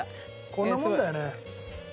こんなもんだよね。